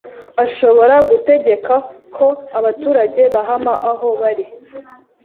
ashobora gutegeka ko abaturage bahama aho bari